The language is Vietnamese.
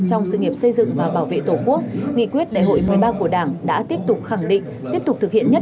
trong sự nghiệp xây dựng và bảo vệ tổ quốc nghị quyết đại hội một mươi ba của đảng đã tiếp tục khẳng định